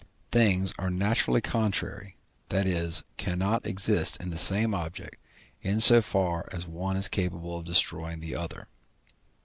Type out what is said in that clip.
Things are naturally contrary, that is, cannot exist in the same object, in so far as one is capable of destroying the other.